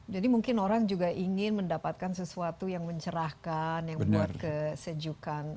jadi mungkin orang juga ingin mendapatkan sesuatu yang mencerahkan yang buat kesejukan